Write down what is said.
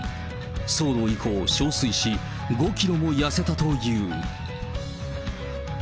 騒動以降、しょうすいし、５キロも痩せたという。